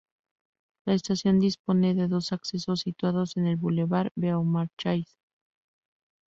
La estación dispone de dos accesos situados en el bulevar Beaumarchais.